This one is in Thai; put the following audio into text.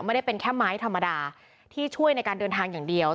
ไม่ได้เป็นแค่ไม้ธรรมดาที่ช่วยในการเดินทางอย่างเดียว